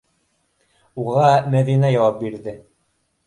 Уға Мәҙинә яуап бирҙе: